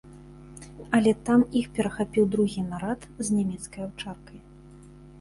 Але там іх перахапіў другі нарад з нямецкай аўчаркай.